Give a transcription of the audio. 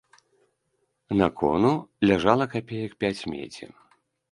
На кону ляжала капеек пяць медзі.